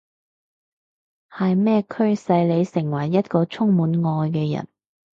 係咩驅使你成為一個充滿愛嘅人？